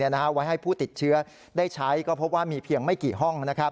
ไว้ให้ผู้ติดเชื้อได้ใช้ก็พบว่ามีเพียงไม่กี่ห้อง